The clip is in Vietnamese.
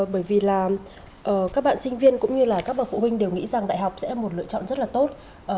bởi vì là các bạn sinh viên cũng như là các bậc phụ huynh đều nghĩ rằng đại học sẽ là một lựa chọn rất là tốt